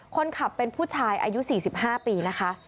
คนขับเป็นผู้ชายอายุ๔๕ปีนะคะ